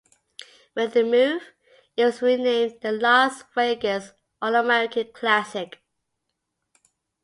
With the move, it was renamed the Las Vegas All-American Classic.